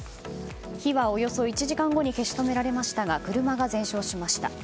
火はおよそ１時間後に消し止められましたが車が全焼しました。